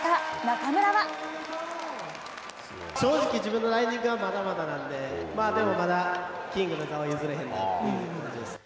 正直、自分のライディングはまだまだなんで、でもまだ、キングの座は譲れへんなっていう感じです。